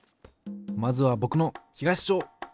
まずはぼくの東小！